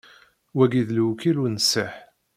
Wagi d lewkil unṣiḥ.